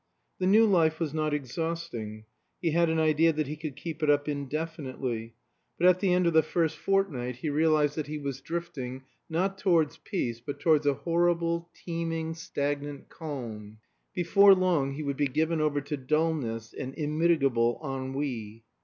The New Life was not exhausting. He had an idea that he could keep it up indefinitely. But at the end of the first fortnight he realized that he was drifting, not towards peace, but towards a horrible, teeming, stagnant calm. Before long he would be given over to dullness and immitigable ennui.